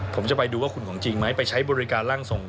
ผมจะไปดูว่าคุณของจริงไหมไปใช้บริการร่างทรง